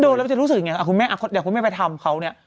โดนแล้วจะรู้สึกยังไงอ่ะคุณแม่อ่ะเด็กคุณแม่ไปทำเขาเนี้ย